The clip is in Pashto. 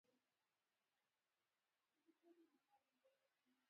فریدګل په څوکۍ ناست و او غمګین وایلون یې واهه